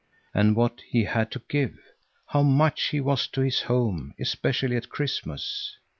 And what he had to give! How much he was to his home, especially at Christmas!